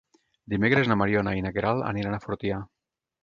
Dimecres na Mariona i na Queralt aniran a Fortià.